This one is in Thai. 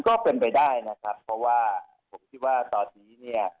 ก็เป็นไปได้นะครับเพราะว่าผมคิดว่าตอนนี้เนี่ย